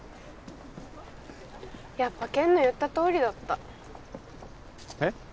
やっぱ健の言ったとおりだったえっ？